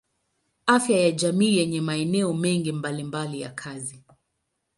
Afya ya jamii yenye maeneo mengi mbalimbali ya kazi.